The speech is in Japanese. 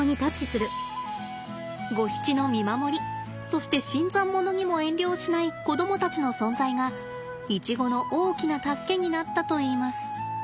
ゴヒチの見守りそして新参者にも遠慮をしない子供たちの存在がイチゴの大きな助けになったといいます。